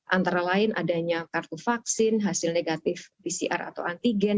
antara lain adanya kartu vaksin hasil negatif pcr atau antigen